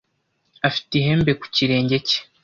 afite ihembe ku kirenge cye